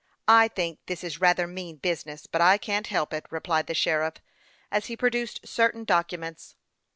I think this is rather mean business ; but I can't help it," replied the sheriff, as he produced certain documents.